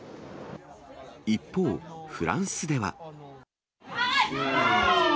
一方、フランスでは。